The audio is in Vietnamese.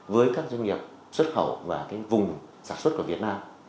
với các doanh nghiệp xuất khẩu và vùng sản xuất của việt nam